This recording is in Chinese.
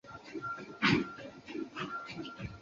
特色是可以使用投影片的模式浏览。